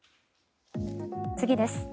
次です。